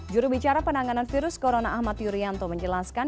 jurubicara penanganan virus corona ahmad yuryanto menjelaskan